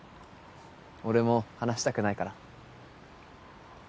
俺も話したくないから。